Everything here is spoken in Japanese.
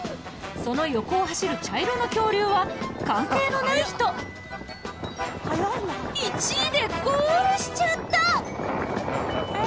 その横を走る茶色の恐竜は関係のない人１位でゴールしちゃった！